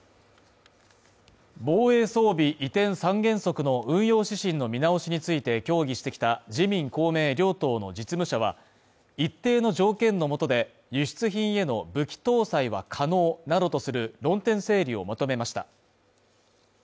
防衛装備移転三原則の運用指針の見直しについて協議してきた自民・公明両党の実務者は、一定の条件のもとで、輸出品への武器搭載は可能などとする論点整理をまとめました。